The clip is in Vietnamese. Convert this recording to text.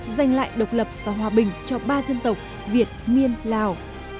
giành lại độc lập và hòa bình cho ba dân tộc việt miên lào